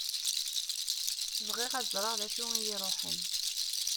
Bɣiɣ ad ẓreɣ d acu i y-iruḥen.